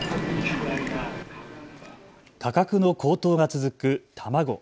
価格の高騰が続く卵。